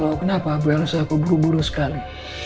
oh kenapa gue rasa aku buru buru sekali